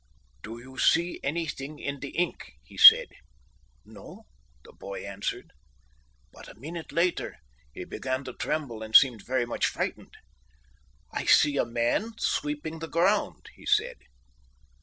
"'Do you see anything in the ink?' he said. "'No,' the boy answered. "But a minute later, he began to tremble and seemed very much frightened. "'I see a man sweeping the ground,' he said.